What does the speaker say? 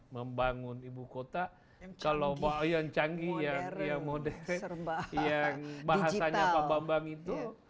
membangun ibu kota kalau yang canggih yang modern yang bahasanya pak bambang itu